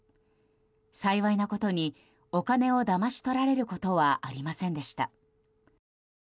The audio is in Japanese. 幸いなことにお金をだまし取られることはありませんでした。